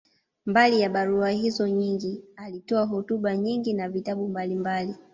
Mbali ya barua hizo nyingi, alitoa hotuba nyingi na vitabu mbalimbali.